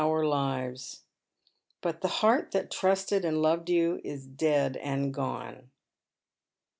^^ 325 our lives ; but the heart that trusted and loved you i« dead and gone."